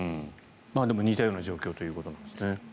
でも、似たような状況ということなんですね。